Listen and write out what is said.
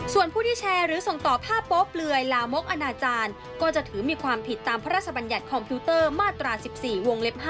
ส่วนผู้ที่แชร์หรือส่งต่อภาพโป๊เปลือยลามกอนาจารย์ก็จะถือมีความผิดตามพระราชบัญญัติคอมพิวเตอร์มาตรา๑๔วงเล็บ๕